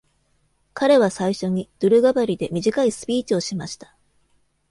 彼は最初に、ドゥルガバリで短いスピーチをしました。